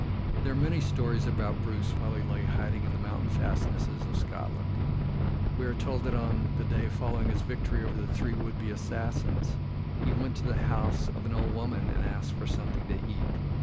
There are many stories about Bruce while he lay hiding in the mountain fastnesses of Scotland. We are told that on the day following his victory over the three would be assassins he went to the house of an old woman and asked for something to eat.